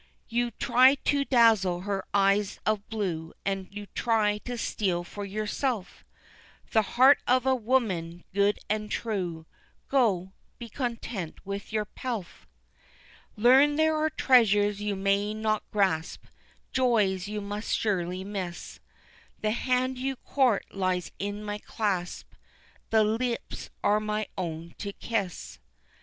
You try to dazzle her eyes of blue, And you try to steal for yourself The heart of a woman good and true, Go, be content with your pelf. Learn there are treasures you may not grasp, Joys you must surely miss, The hand you court lies in my clasp The lips are my own to kiss.